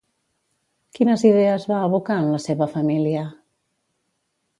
Quines idees va abocar en la seva família?